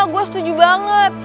gue setuju banget